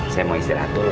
saya mau istirahat dulu